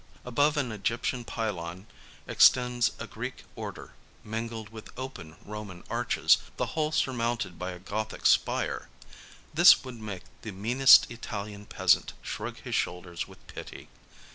Above an Egyptian pylon 52 LONDON extends a Greek Order mingled with open Roman arches, the whole surmounted by a Gothic spire. This would make the meanest Italian peasant shrug his shoulders with pity.